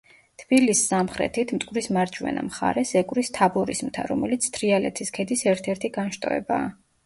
თბილისს სამხრეთით, მტკვრის მარჯვენა მხარეს ეკვრის თაბორის მთა, რომელიც თრიალეთის ქედის ერთ-ერთი განშტოებაა.